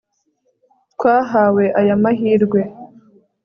twahawe aya mahirwe